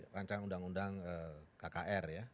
rancangan undang undang kkr ya